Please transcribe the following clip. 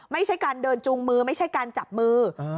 ไม่ใช่การเดินจูงมือไม่ใช่การจับมือ